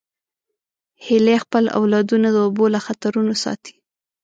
هیلۍ خپل اولادونه د اوبو له خطرونو ساتي